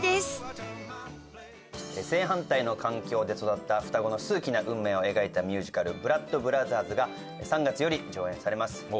正反対の環境で育った双子の数奇な運命を描いたミュージカル『ブラッド・ブラザーズ』が３月より上演されます。